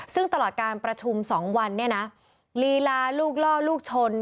ซึ่งตลอดการประชุม๒วันเนี่ยนะลีลาลูกล่อลูกชน